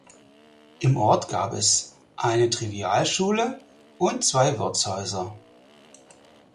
Im Ort gab es eine Trivialschule und zwei Wirtshäuser.